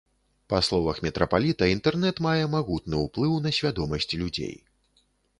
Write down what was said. Па словах мітрапаліта, інтэрнэт мае магутны ўплыў на свядомасць людзей.